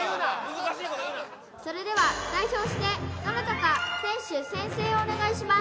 難しいこと言うなそれでは代表してどなたか選手宣誓をお願いします